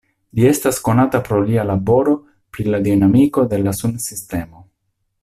Li estas konata pro lia laboro pri la dinamiko de la sunsistemo.